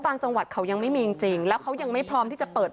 จังหวัดเขายังไม่มีจริงแล้วเขายังไม่พร้อมที่จะเปิด